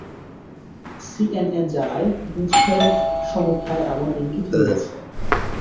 CNN জানায়, বুথফেরত সমীক্ষায় এমন ইঙ্গিত মিলেছে।